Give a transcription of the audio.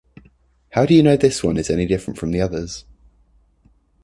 How do you know this one is any different from the others?